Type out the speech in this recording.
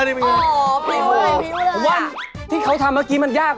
ดูที่ฟ้านสุกดูที่ฟ้านสุก